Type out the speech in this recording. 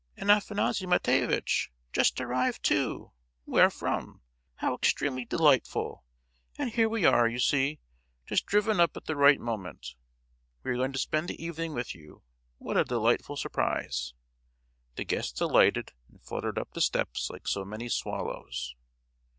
and Afanassy Matveyevitch! Just arrived, too! Where from? How extremely delightful! And here we are, you see, just driven up at the right moment. We are going to spend the evening with you. What a delightful surprise." The guests alighted and fluttered up the steps like so many swallows.